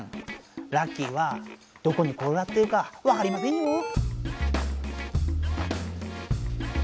ラッキーはどこにころがっているかわかりませんよ？